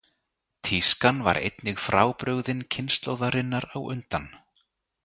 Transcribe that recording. Tískan var einnig frábrugðin kynslóðarinnar á undan.